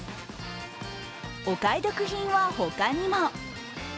お買い得品は他にも。